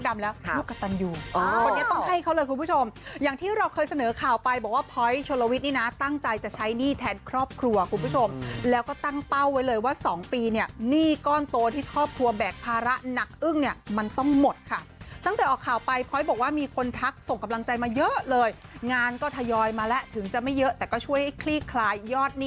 มีงานก็ทยอยมาแล้วถึงจะไม่เยอะแต่ก็ช่วยให้คลีคลายยอด